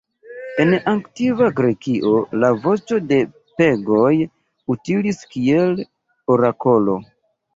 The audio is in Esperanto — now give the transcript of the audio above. En antikva Grekio la voĉo de pegoj utilis kiel orakolo.